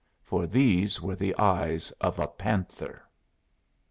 For these were the eyes of a panther.